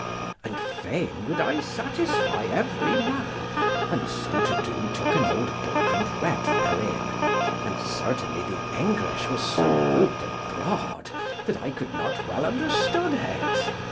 And fain would I satisfy every man, and so to do took an old book and read therein, and certainly the English was so rude and broad that I could not well understood it.